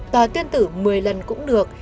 tòa tuyên tử một mươi lần cũng được